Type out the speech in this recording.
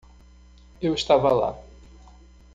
Eu estava lá.